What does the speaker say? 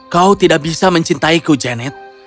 kau tidak bisa mencintaiku janet